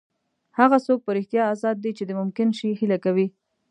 هغه څوک په رښتیا ازاد دی چې د ممکن شي هیله کوي.